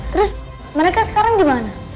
terus mereka sekarang dimana